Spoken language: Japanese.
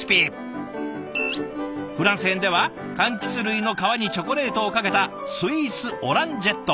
フランス編ではかんきつ類の皮にチョコレートをかけたスイーツオランジェット。